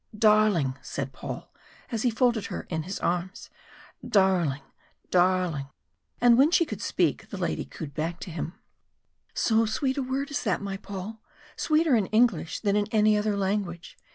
"Darling!" said Paul, as he folded her in his arms "darling! darling!" And when she could speak the lady cooed back to him: "So sweet a word is that, my Paul. Sweeter in English than in any other language.